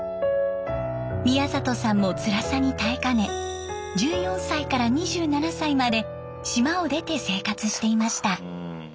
宮里さんもつらさに耐えかね１４歳から２７歳まで島を出て生活していました。